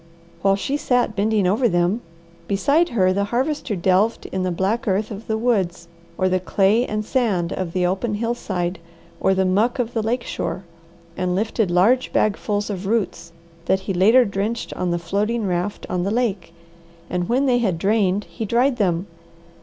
While she sat bending over them, beside her the Harvester delved in the black earth of the woods, or the clay and sand of the open hillside, or the muck of the lake shore, and lifted large bagfuls of roots that he later drenched on the floating raft on the lake, and when they had drained he dried them.